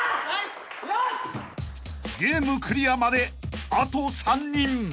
［ゲームクリアまであと３人］